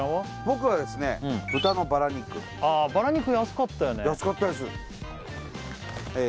僕はですね豚のバラ肉バラ肉安かったよね安かったですええ